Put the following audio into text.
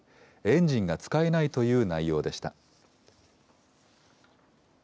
エンジンが使えないという内容でした。